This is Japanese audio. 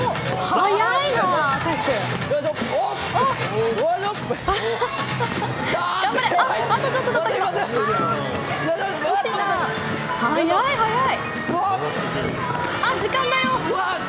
速い、速い！